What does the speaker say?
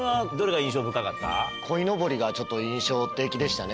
こいのぼりがちょっと印象的でしたね。